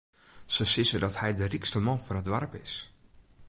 Se sizze dat hy de rykste man fan it doarp is.